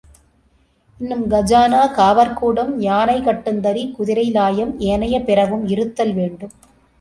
இன்னும் கஜானா, காவற்கூடம், யானை கட்டுந்தறி, குதிரை லாயம், ஏனைய பிறவும் இருத்தல் வேண்டும்.